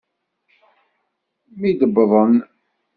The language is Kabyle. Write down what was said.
Mi d-wwḍen.